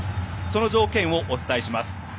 その条件をお伝えします。